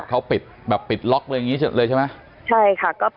๓๐คนค่ะ